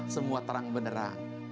semua terang beneran